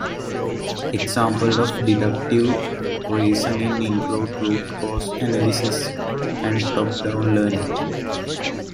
Examples of deductive reasoning include root cause analysis and top down learning.